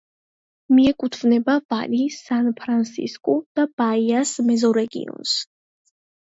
მიეკუთვნება ვალი-სან-ფრანსისკუ-და-ბაიას მეზორეგიონს.